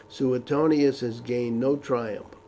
Suetonius has gained no triumph.